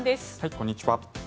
こんにちは。